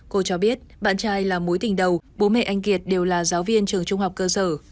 cô cho biết bạn trai là mối tình đầu bố mẹ anh kiệt đều là giáo viên trường trung học cơ sở